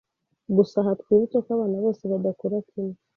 Gusa aha twibutse ko abana bose badakura kimwe.